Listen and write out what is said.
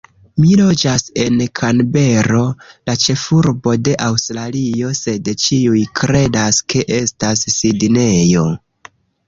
Mi loĝas en Kanbero, la ĉefurbo de Aŭstralio, sed ĉiuj kredas, ke estas Sidnejo!